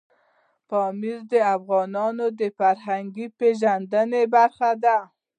پامیر د افغانانو د فرهنګي پیژندنې برخه ده.